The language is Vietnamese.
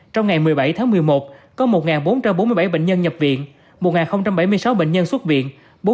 trong ngày một mươi bảy tháng một mươi một có một bốn trăm bốn mươi bảy bệnh nhân nhập viện một bảy mươi sáu bệnh nhân xuất viện